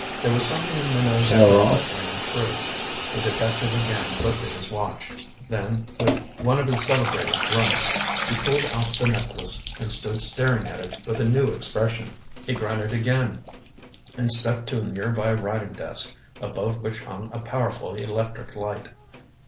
There was something in Minot's tone that rang true. The detective again looked at his watch. Then, with one of his celebrated grunts, he pulled out the necklace, and stood staring at it with a new expression. He grunted again, and stepped to a near by writing desk, above which hung a powerful electric light.